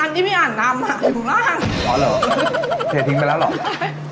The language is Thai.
อันนี้มีอ่านน้ำหาอยู่ล่างอ๋อเหรอเผยทิ้งไปแล้วหรอใช่